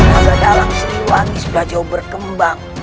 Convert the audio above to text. naga dalang sriwangi sudah jauh berkembang